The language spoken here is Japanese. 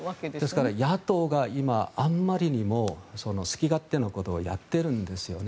ですから、今野党があまりにも好き勝手なことをやってるんですよね。